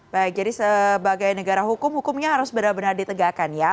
baik jadi sebagai negara hukum hukumnya harus benar benar ditegakkan ya